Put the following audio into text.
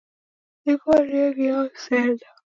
Nighore ghiao sena